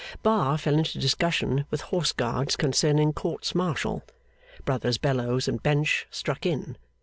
Bar fell into discussion with Horse Guards concerning courts martial. Brothers Bellows and Bench struck in.